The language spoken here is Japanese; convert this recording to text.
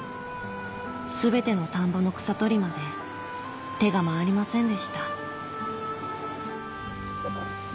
全ての田んぼの草取りまで手が回りませんでした